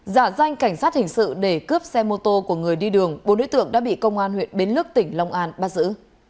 giả danh cảnh sát hình sự để cướp xe mô tô của người đi đường bốn đối tượng đã bị công an huyện bến lức tỉnh long an bắt giữ